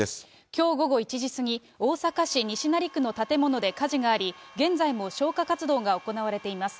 きょう午後１時過ぎ、大阪市西成区の建物で火事があり、現在も消火活動が行われています。